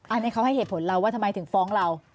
อันนี้เขาให้เหตุผลเราว่าทำไมถึงฟ้องเรา